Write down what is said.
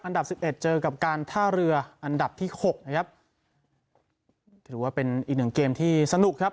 อันดับสิบเอ็ดเจอกับการท่าเรืออันดับที่หกนะครับถือว่าเป็นอีกหนึ่งเกมที่สนุกครับ